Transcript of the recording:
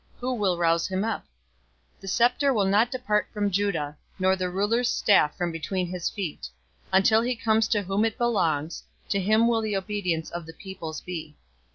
Who will rouse him up? 049:010 The scepter will not depart from Judah, nor the ruler's staff from between his feet, until he comes to whom it belongs. To him will the obedience of the peoples be.